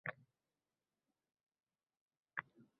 Bu holingni koʻrib, baribir rahmim keldi.